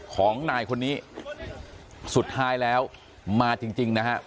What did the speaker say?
ของนายคนนี้สุดท้ายแล้วมาจริงจริงนะฮะ